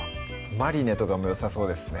マリネとかもよさそうですね